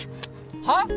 はっ！？